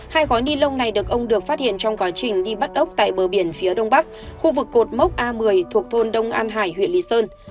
hai gói ni lông này được ông được phát hiện trong quá trình đi bắt ốc tại bờ biển phía đông bắc khu vực cột mốc a một mươi thuộc thôn đông an hải huyện lý sơn